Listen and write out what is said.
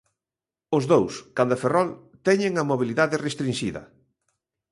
Os dous, canda Ferrol, teñen a mobilidade restrinxida.